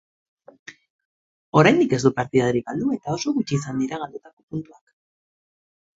Oraindik ez du partidarik galdu, eta oso gutxi izan dira galdutako puntuak.